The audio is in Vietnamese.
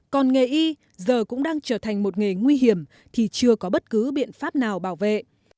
còn nghề y giờ cũng đang trở thành một nghề nguy hiểm thì chưa có bất cứ biện pháp nào bảo vệ